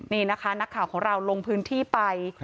นี่นะคะนักข่าวของเราลงพื้นที่ไป